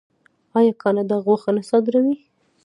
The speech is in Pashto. آیا کاناډا غوښه نه صادروي؟